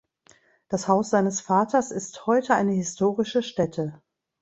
Das Haus seines Vaters ist heute eine historische Stätte.